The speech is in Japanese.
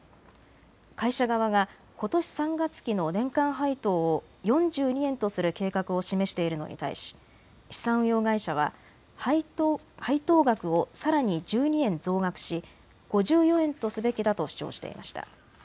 会社側がことし３月期の年間配当を４２円とする計画を示しているのに対し、資産運用会社は配当額をさらに１２円増額し５４円とすべきだと主張していました。